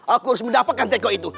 aku harus mendapatkan teko itu